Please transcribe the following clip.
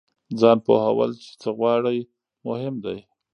ځان پوهول چې څه غواړئ مهم دی.